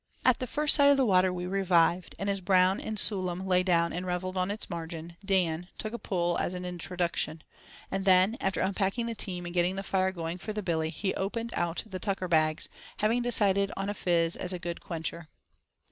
At the first sight of the water we revived, and as Brown and Sool'em lay down and revelled on its margin, Dan "took a pull as an introduction," and then, after unpacking the team and getting the fire going for the billy, he opened out the tucker bags, having decided on a "fizz" as a "good quencher."